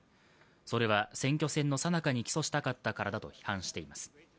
それは選挙戦のさなかに起訴したかったからだと批判しています。